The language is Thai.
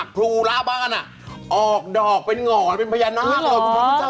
ดูร่าบ้านน่ะออกดอกเป็นห่อเป็นพญานาคต์